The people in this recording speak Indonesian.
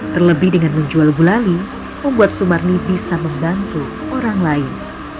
terlebih dengan menjual gulali membuat sumarni bisa membantu orang lain